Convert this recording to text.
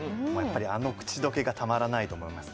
あの口どけがたまらないと思います。